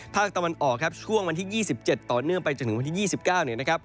ภาคตะวันออกครับช่วงวันที่๒๗ต่อเนื่องไปจนถึงวันที่๒๙เนี่ยนะครับ